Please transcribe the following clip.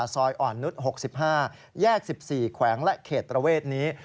ซอยอ่อนนุษย์๖๕แยก๑๔แขวงและเขตประเวทนี้